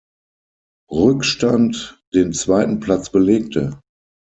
Rückstand den zweiten Platz belegte.